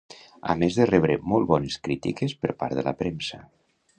A més de rebre molt bones crítiques per part de la premsa.